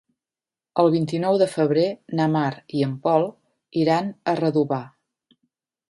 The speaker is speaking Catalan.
El vint-i-nou de febrer na Mar i en Pol iran a Redovà.